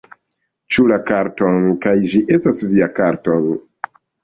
Ĉu la karto... kaj ĝi estas via karto...